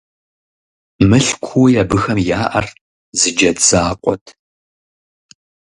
Мылъкууи абыхэм яӀэр зы джэд закъуэт.